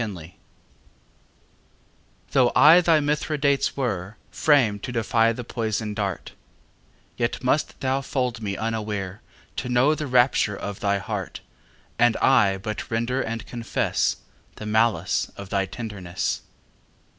XXVII Though I thy Mithridates were, Framed to defy the poison dart, Yet must thou fold me unaware To know the rapture of thy heart, And I but render and confess The malice of thy tenderness.